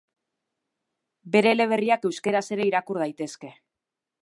Bere eleberriak euskaraz ere irakur daitezke.